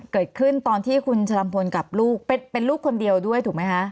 เกิดขึ้นตอนที่คุณชะลัมพลกับลูกเป็นลูกคนเดียวด้วยถูกไหมคะ